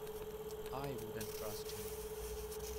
I wouldn't trust him.